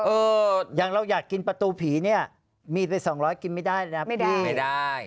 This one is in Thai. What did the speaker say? เอออย่างเราอยากกินประตูผีนี่มีไป๒๐๐กินไม่ได้นะพี่ไม่ได้